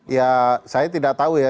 ya saya tidak tahu ya